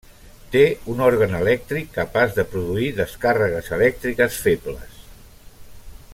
Té un òrgan elèctric capaç de produir descàrregues elèctriques febles.